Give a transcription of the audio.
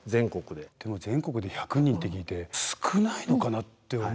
でも全国で１００人って聞いて私も少ないなって。